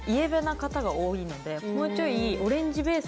もうちょい。